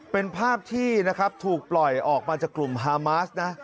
เป็นภาพที่นะครับถูกปล่อยออกมาจากกลุ่มฮามาสนะ